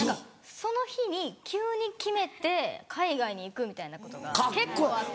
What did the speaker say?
その日に急に決めて海外に行くみたいなことが結構あって。